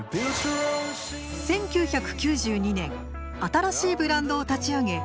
１９９２年新しいブランドを立ち上げ